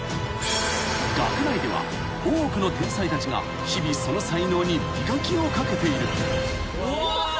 ［学内では多くの天才たちが日々その才能に磨きをかけている］